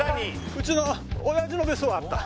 うちの親父の別荘はあった